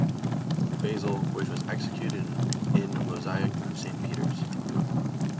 Basil, which was executed in mosaic for Saint Peter's.